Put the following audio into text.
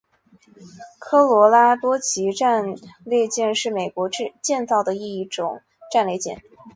科罗拉多级战列舰是美国建造的一种战列舰。